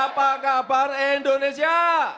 apa kabar indonesia